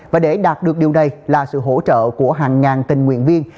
và để đạt được điều này là sự hỗ trợ của hàng ngàn tình nguyện viên